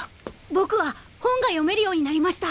僕は本が読めるようになりました。